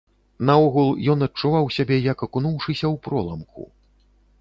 Наогул, ён адчуваў сябе, як акунуўшыся ў проламку.